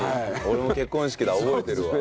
俺も結婚式だ覚えてるわ。